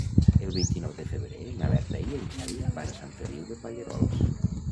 El vint-i-nou de febrer na Berta i en Xavi van a Sant Feliu de Pallerols.